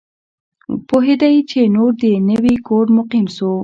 پوهېدی چي نور د نوي کور مقیم سو